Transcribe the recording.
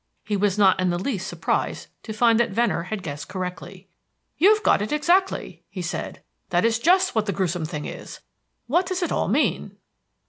He was not in the least surprised to find that Venner had guessed correctly. "You've got it exactly," he said. "That is just what the gruesome thing is. What does it all mean?"